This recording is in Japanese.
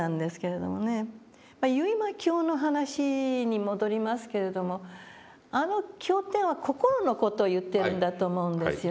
「維摩経」の話に戻りますけれどもあの経典は心の事を言っているんだと思うんですよね。